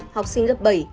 học sinh lớp bảy